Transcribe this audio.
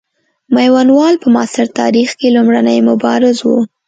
میوندوال په معاصر تاریخ کې لومړنی مبارز وو.